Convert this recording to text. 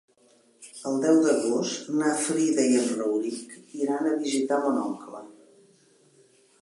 El deu d'agost na Frida i en Rauric iran a visitar mon oncle.